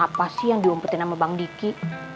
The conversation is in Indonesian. apa sih yang diumpetin sama bang diki